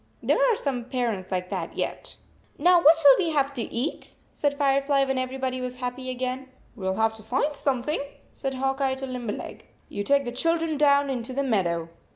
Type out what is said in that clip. There are some parents like that yet. " Now, what shall we have to eat? " said Firefly, when everybody was happy again. "We ll have to find something," said Hawk Eye to Limberleg. "You take the children down into the meadow.